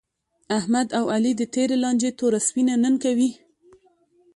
احمد او علي د تېرې لانجې توره سپینه نن کوي.